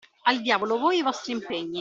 Al diavolo voi e i vostri impegni!